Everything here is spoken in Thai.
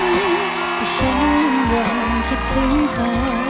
แต่ฉันยังคิดถึงเธอ